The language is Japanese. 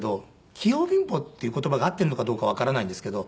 器用貧乏っていう言葉が合っているのかどうかわからないんですけど。